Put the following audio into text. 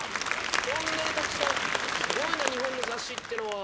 こんなにたくさんすごいな日本の雑誌ってのは。